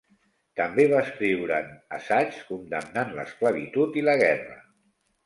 També va escriure'n assaigs condemnant l'esclavitud i la guerra.